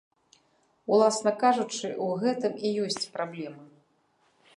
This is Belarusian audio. Уласна кажучы, у гэтым і ёсць праблема.